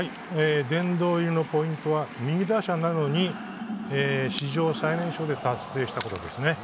殿堂入りのポイントは右打者なのに史上最年少で達成したことですね。